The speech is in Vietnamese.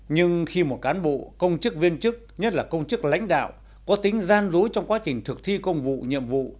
nhưng khi một cán bộ công chức viên chức nhất là công chức lãnh đạo có tính gian dối trong quá trình thực thi công vụ nhiệm vụ